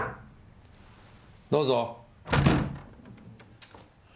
どうぞ。